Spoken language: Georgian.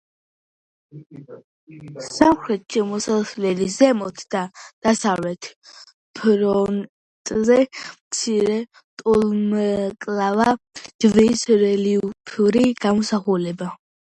სამხრეთ შესასვლელის ზემოთ და დასავლეთ ფრონტონზე მცირე, ტოლმკლავა ჯვრის რელიეფური გამოსახულებაა.